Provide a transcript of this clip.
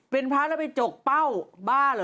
เป็นพระแล้วไปจกเป้าบ้าเหรอ